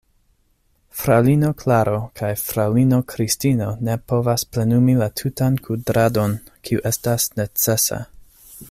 Fraŭlino Klaro kaj fraŭlino Kristino ne povas plenumi la tutan kudradon, kiu estas necesa.